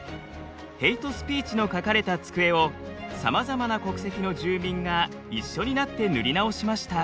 ヘイトスピーチの書かれた机をさまざまな国籍の住民が一緒になって塗り直しました。